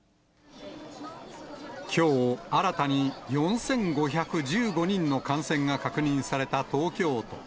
きょう、新たに４５１５人の感染が確認された東京都。